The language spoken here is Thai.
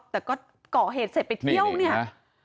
แต่ก็เกาะเหตุเสร็จไปเที่ยวเนี่ยนี่นะ